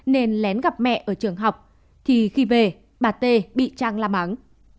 nên lén gặp mẹ ở trường học thì khi về bà t bị trăng la mắng